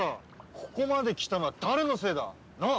ここまで来たのは誰のせいだ！なあ？